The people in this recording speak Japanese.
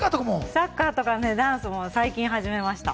サッカーやダンスも最近始めました。